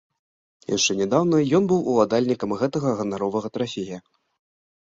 Яшчэ нядаўна ён быў уладальнікам гэтага ганаровага трафея.